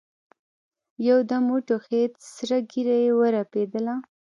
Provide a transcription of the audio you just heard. يودم وټوخېد سره ږيره يې ورپېدله.